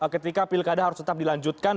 ketika pilkada harus tetap dilanjutkan